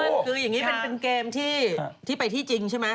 คืออย่างนี้เป็นเกมที่ไปที่จริงใช่ไหม